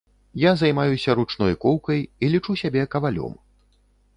Я займаюся ручной коўкай і лічу сябе кавалём.